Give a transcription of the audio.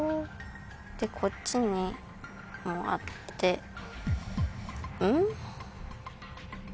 でこっちにもあってん？